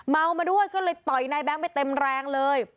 เมามาด้วยก็เลยต่อยนายแบงค์ไปเต็มแรงเลย